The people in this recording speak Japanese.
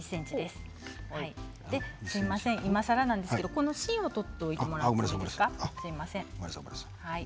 いまさらなんですけどこの芯を取っておいていただいていいですか？